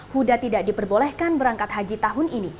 huda tidak diperbolehkan berangkat haji tahun ini